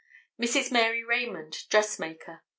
] Mrs. Mary Raymond, dressmaker.